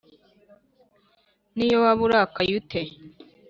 niyo waba urakaye ute